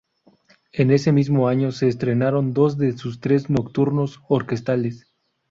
En ese mismo año se estrenaron dos de sus tres "Nocturnos" orquestales.